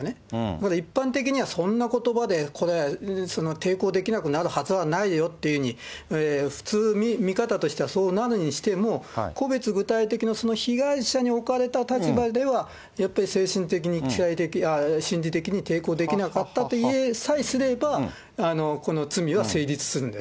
ただ一般的にはそんなことばでこれ、抵抗できなくなるはずはないよっていうふうに、普通、見方としてはそうなるにしても、個別具体的な、その被害者に置かれた立場では、やっぱり精神的、肉体的、心理的に抵抗できなかったと言えさえすれば、この罪は成立するんです。